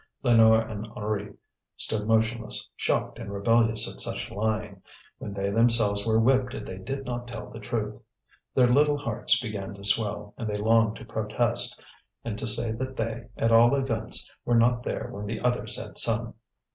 Lénore and Henri stood motionless, shocked and rebellious at such lying, when they themselves were whipped if they did not tell the truth. Their little hearts began to swell, and they longed to protest, and to say that they, at all events, were not there when the others had some.